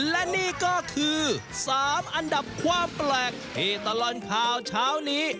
และนี่ก็คือ๓อันดับความแปลกที่ตลอดข่าวเช้านี้